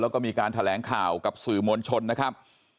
แล้วก็มีการแถลงข่าวกับสื่อมวลชนนะครับ